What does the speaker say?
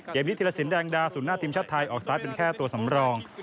นี้ธีรสินแดงดาศูนย์หน้าทีมชาติไทยออกสตาร์ทเป็นแค่ตัวสำรอง